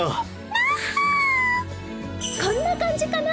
こんな感じかな？